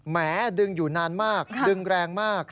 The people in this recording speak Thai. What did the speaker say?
แหมดึงอยู่นานมากดึงแรงมาก